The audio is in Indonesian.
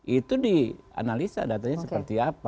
itu dianalisa datanya seperti apa